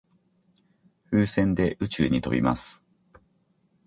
風船で宇宙に飛びます。